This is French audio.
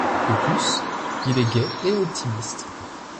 De plus, il est gai et optimiste.